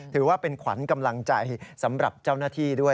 ถือว่าเป็นขวัญกำลังใจสำหรับเจ้าหน้าที่ด้วย